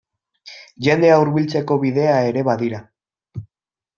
Jendea hurbiltzeko bidea ere badira.